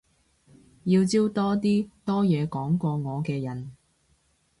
要招多啲多嘢講過我嘅人